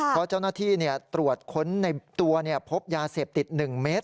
เพราะเจ้าหน้าที่ตรวจค้นในตัวพบยาเสพติด๑เมตร